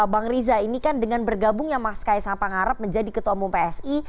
bang riza ini kan dengan bergabungnya mas kaisang pangarep menjadi ketua umum psi